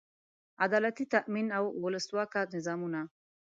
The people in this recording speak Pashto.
عدالتي تامین او اولسواکه نظامونه.